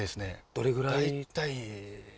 どれぐらい？